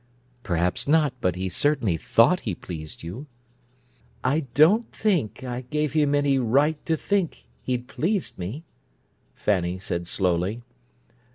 "Perhaps not, but he certainly thought he'd pleased you." "I don't think I gave him any right to think he'd pleased me" Fanny said slowly.